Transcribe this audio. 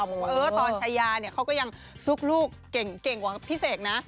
บอกว่าตอนชายาเนี่ยเขาก็ยังซุกลูกเก่งกว่าพี่เสกนะ